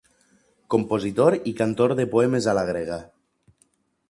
Compositor i cantor de poemes a la grega.